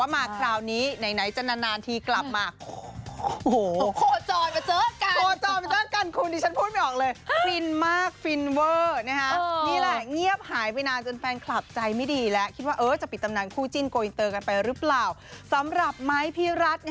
บอกเลยว่าพีคในพีคควรดูรูปเอาเองอันนี้ถ้าเกิดว่าไม่บอกว่าเขาไปถ่ายงานกันคุณคิดว่าเขาทำอะไร